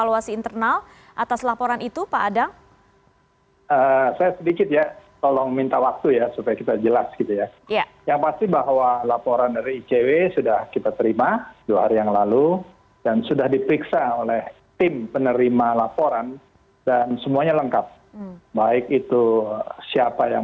waalaikumsalam warahmatullahi wabarakatuh